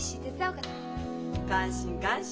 感心感心。